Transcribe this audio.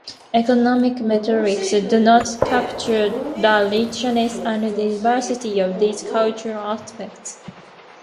Economic metrics do not capture the richness and diversity of these cultural aspects.